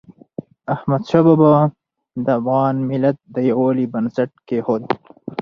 احمدشاه بابا د افغان ملت د یووالي بنسټ کېښود.